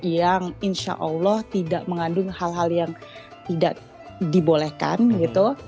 yang insya allah tidak mengandung hal hal yang tidak dibolehkan gitu